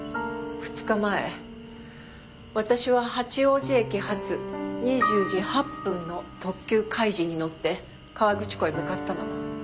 ２日前私は八王子駅発２０時８分の特急かいじに乗って河口湖へ向かったの。